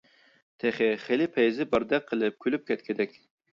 تېخى خېلى پەيزى باردەك قىلىپ كۈلۈپ كەتكۈدەك.